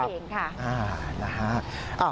อ่านะฮะ